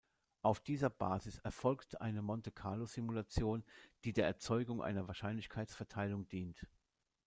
Auf dieser Basis erfolgt eine Monte-Carlo-Simulation, die der Erzeugung einer Wahrscheinlichkeitsverteilung dient.